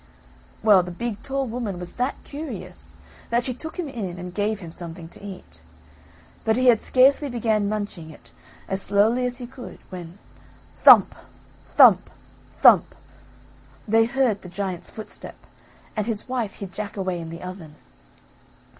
Well the big tall woman was that curious that she took him in and gave him something to eat. But he had scarcely begun munching it as slowly as he could when thump! thump! thump! they heard the giant's footstep, and his wife hid Jack away in the oven.